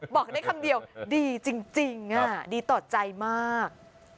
บอกได้คำเดียวดีจริงดีต่อใจมาก